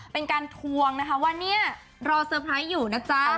เป็นการทวงนะคะว่าเนี่ยรอเซอร์ไพรส์อยู่นะจ๊ะ